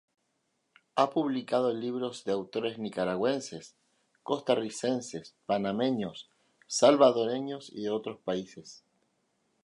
Ha publicado libros de autores nicaragüenses, costarricenses, panameños, salvadoreños y de otros países.